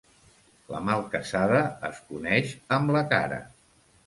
La mal casada es coneix amb la cara.